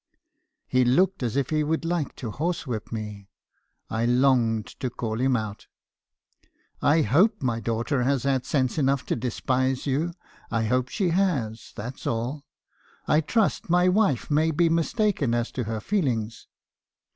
"He looked as if he would like to horse whip me. I longed to call him out. " 'I hope my daughter has had sense enough to despise you; I hope she has , that 's all. I trust my wife may be mistaken as to her feelings.'